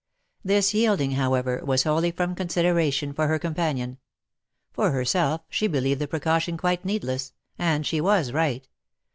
This yielding, however, was wholly from consideration for her companion. For herself she believed the precaution quite needless ; and she was right.